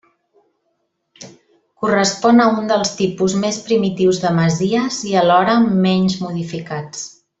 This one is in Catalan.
Correspon a un dels tipus més primitius de masies i alhora als menys modificats.